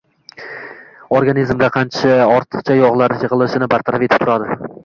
rganizmda ortiqcha yog’lar yig’ilishini bartaraf etib turadi.